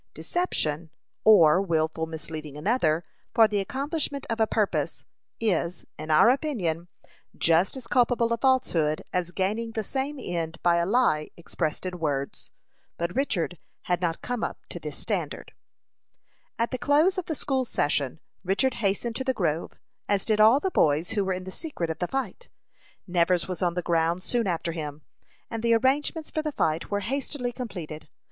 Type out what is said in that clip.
Deception, or wilfully misleading another, for the accomplishment of a purpose, is, in our opinion, just as culpable a falsehood as gaining the same end by a lie expressed in words. But Richard had not come up to this standard. At the close of the school session, Richard hastened to the grove, as did all the boys who were in the secret of the fight. Nevers was on the ground soon after him, and the arrangements for the fight were hastily completed.